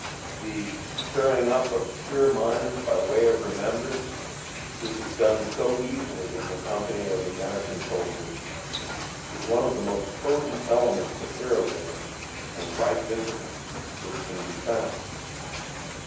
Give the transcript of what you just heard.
The "stirring up of our pure minds by way of remembrance," which is done so easily in the company of American soldiers, is one of the most potent elements of heroism and right discipline which can be found.